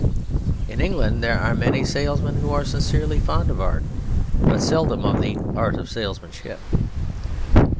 In England there are many salesmen who are sincerely fond of art; but seldom of the art of salesmanship.